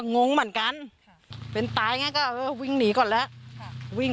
ก็งงเหมือนกันเป็นตายไงก็เออวิ่งหนีก่อนแล้วค่ะวิ่ง